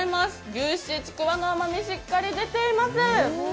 牛脂、ちくわの甘みしっかり出ています。